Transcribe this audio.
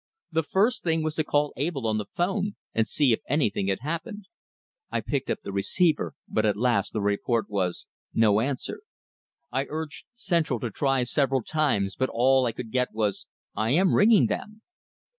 The first thing was to call Abell on the phone, and see if anything had happened. I picked up the receiver; but alas, the report was, "No answer." I urged "central" to try several times, but all I could get was, "I am ringing them."